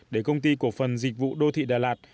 để công ty cổ phần dịch vụ đô thị đà lạt